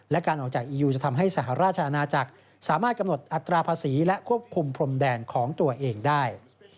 และการออกจากอียูจะทำให้สหราชอาณาจักรสามารถกำหนดอัตราภาษีและควบคุมพรมแดนของตัวเองได้